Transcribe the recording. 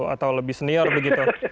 atau lebih senior begitu